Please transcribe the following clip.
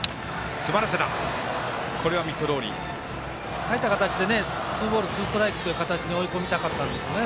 ああいった形でツーボールツーストライクという形で追い込みたかったんですよね